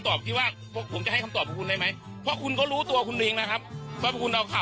ตอนนี้ถามผมคนเดียวไม่ได้ครับ